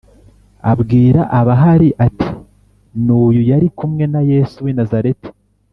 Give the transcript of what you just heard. abwira abahari ati “N’uyu yari kumwe na Yesu w’i Nazareti.”